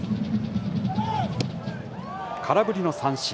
空振りの三振。